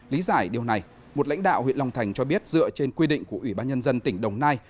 lý giải điều này một lãnh đạo huyện long thành cho biết dựa trên quy định của ubnd tỉnh đồng nai